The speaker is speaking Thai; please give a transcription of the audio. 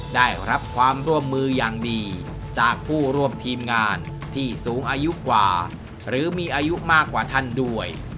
ได้รับความร่วมมืออย่างดีจากผู้ร่วมทีมงานที่สูงอายุกว่าหรือมีอายุมากกว่าท่านด้วย